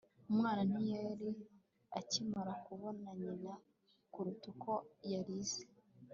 umwana ntiyari akimara kubona nyina kuruta uko yarize